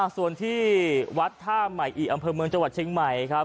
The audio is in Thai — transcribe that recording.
ส่วนที่วัดท่าใหม่อิอำเภอเมืองจังหวัดเชียงใหม่ครับ